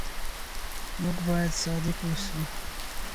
موږ بايد صادق اوسو.